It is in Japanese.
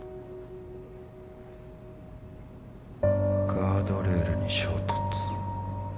「ガードレールに衝突」